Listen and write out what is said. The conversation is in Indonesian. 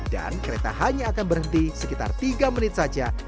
dan kereta hanya akan berhenti sekitar tiga menit saja